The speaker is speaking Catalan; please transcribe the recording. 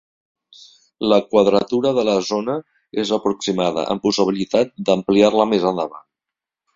La quadratura de la zona és aproximada amb possibilitat d'ampliar-la més endavant.